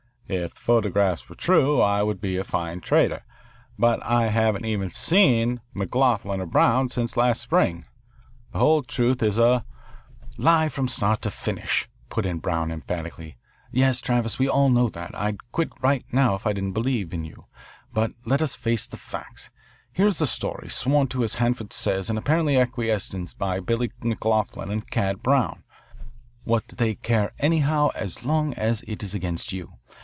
If the photographs were true I would be a fine traitor. But I haven't even seen McLoughlin or Brown since last spring. The whole thing is a " "Lie from start to finish," put in Bennett emphatically. "Yes, Travis, we all know that. I'd quit right now if I didn't believe in you. But let us face the facts. Here is this story, sworn to as Hanford says and apparently acquiesced in by Billy McLoughlin and Cad. Brown. What do they care anyhow as long as it is against you?